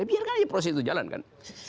biar kan proses itu jalankan